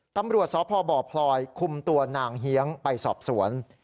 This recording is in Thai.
ตำรวจสพบพลอยคุมตัวนางเฮียงไปสอบสวน